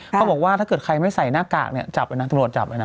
เขาบอกว่าถ้าเกิดใครไม่ใส่หน้ากากเนี่ยจับเลยนะตำรวจจับไว้นะ